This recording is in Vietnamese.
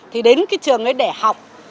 thì đến cái trường đấy để học